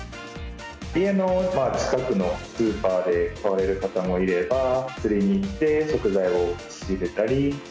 家の近くのスーパーで買われる方もいれば、釣りに行って食材を仕入れたり。